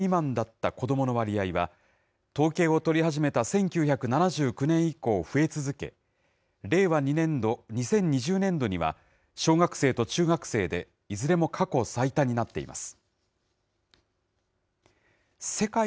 文部科学省の別の調査では、裸眼の視力が１．０未満だった子どもの割合は、統計を取り始めた１９７９年以降増え続け、令和２年度・２０２０年度には小学生と中学生でいずれも過去最多になっています。